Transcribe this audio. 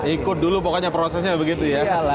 ikut dulu pokoknya prosesnya begitu ya